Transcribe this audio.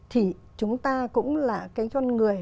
thì chúng ta cũng là cái con người